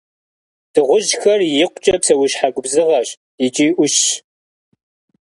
Дыгъужьхэр икъукӏэ псэущхьэ губзыгъэщ икӏи ӏущщ.